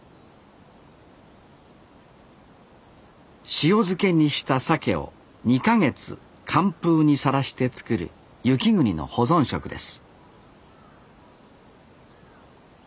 塩漬けにした鮭を２か月寒風にさらして作る雪国の保存食です